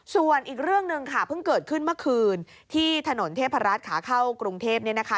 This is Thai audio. ส่วนอีกเรื่องหนึ่งค่ะเพิ่งเกิดขึ้นเมื่อคืนที่ถนนเทพรัฐขาเข้ากรุงเทพ